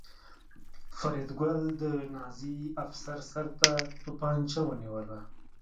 فریدګل د نازي افسر سر ته توپانچه ونیوله